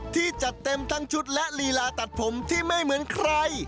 ที่จัดเต็มทั้งชุดและลีลาตัดผมที่ไม่เหมือนใคร